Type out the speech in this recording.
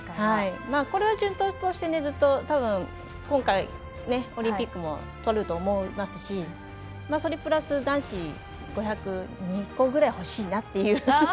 これは順当として、ずっと今回、オリンピックもとると思いますしそれプラス男子５００ｍ２個ぐらいほしいなと。